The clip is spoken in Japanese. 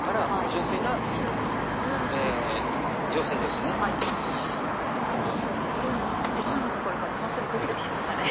ちょっと今のところまで本当にドキドキしましたね。